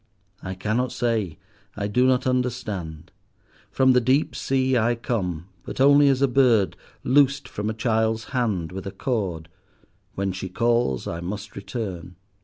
"I cannot say, I do not understand. From the deep sea I come, but only as a bird loosed from a child's hand with a cord. When she calls I must return."